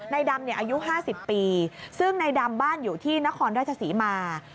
นายดำเนี่ยอายุ๕๐ปีซึ่งนายดำบ้านอยู่ที่นครราชสีมา